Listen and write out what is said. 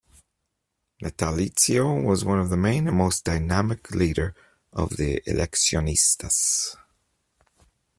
Natalicio was one of the main and most dynamic leader of the "eleccionistas".